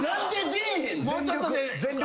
『全力！